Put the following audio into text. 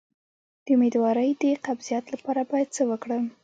د امیدوارۍ د قبضیت لپاره باید څه وکړم؟